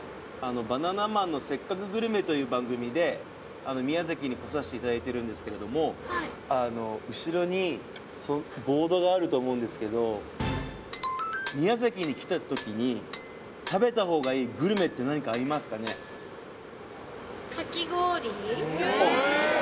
「バナナマンのせっかくグルメ！！」という番組で宮崎にこさせていただいてるんですけれども後ろにボードがあると思うんですけど宮崎に来たときに食べたほうがいいグルメって何かありますかねあっかき氷